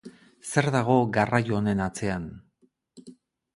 Zer dago garraio honen atzean?